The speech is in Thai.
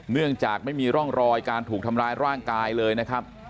เนื่องจากไม่มีร่องรอยการถูกทำร้ายร่างกายเลยนะครับ